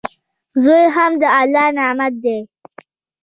زوی هم د الله نعمت دئ.